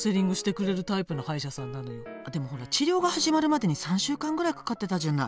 でもほら治療が始まるまでに３週間ぐらいかかってたじゃない。